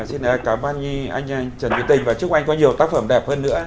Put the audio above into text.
xin cảm ơn anh trần quý tình và chúc anh có nhiều tác phẩm đẹp hơn nữa